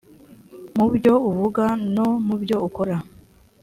mu byo uvuga no mu byo ukora